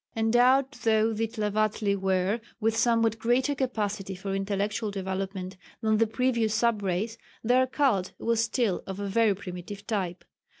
Endowed though the Tlavatli were with somewhat greater capacity for intellectual development than the previous sub race, their cult was still of a very primitive type.